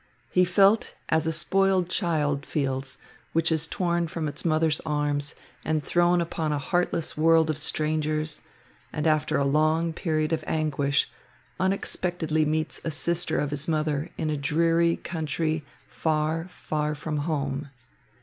He felt as a spoiled child feels which is torn from its mother's arms and thrown upon a heartless world of strangers and, after a long period of anguish, unexpectedly meets a sister of his mother in a dreary country far, far from home.